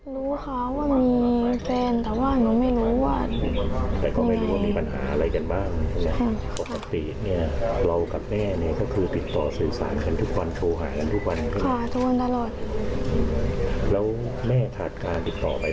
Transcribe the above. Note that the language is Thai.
แล้วแม่ขาดคลาดติดต่อไปตั้งแต่วันหนึ่งอยากได้ไหม